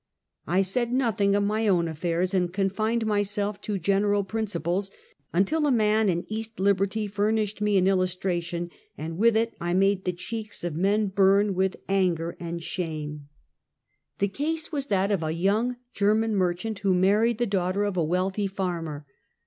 I said nothing of my own affiiirs and confined myself to general principles, until a man in East Liberty furnished me an illustration, and with it I made the cheeks of men burn with ans er and shame. Rights of Married Women. 103 The case was that of a young German merchant who married the daughter of a wealthy farmer.